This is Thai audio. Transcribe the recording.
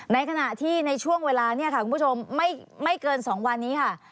ในขณะที่ในช่วงเวลาเนี่ยค่ะคุณผู้ชมไม่เกิน๒วันนี้ค่ะ